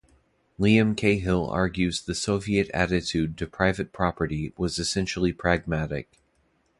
Liam Cahill argues The soviet attitude to private property was essentially pragmatic.